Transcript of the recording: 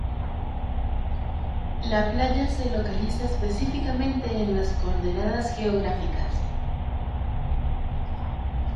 La playa se localiza específicamente en las coordenadas geográficas